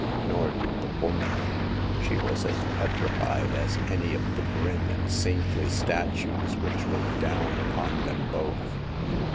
Nor did the woman ; she was as petrified as any of the grim and saintly statues which looked down upon them both.